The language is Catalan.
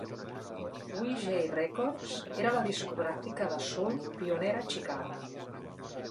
Vee-Jay Records era la discogràfica de soul pionera a Chicago.